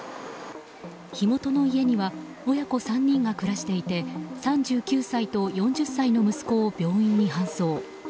火元の家には親子３人が暮らしていて３９歳と４０歳の息子を病院に搬送。